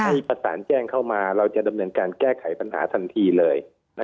ประสานแจ้งเข้ามาเราจะดำเนินการแก้ไขปัญหาทันทีเลย